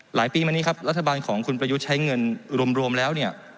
ปีมานี้ครับรัฐบาลของคุณประยุทธ์ใช้เงินรวมแล้วเนี่ย